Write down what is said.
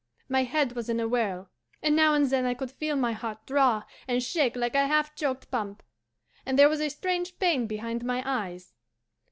my head was in a whirl, and now and then I could feel my heart draw and shake like a half choked pump, and there was a strange pain behind my eyes.